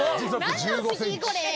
これ。